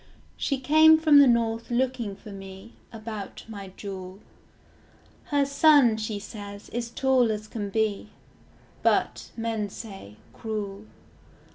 She came from the north looking for me, About my jewel. Her son, she says, is tall as can be; But, men say, cruel.